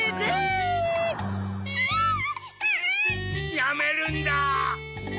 やめるんだ！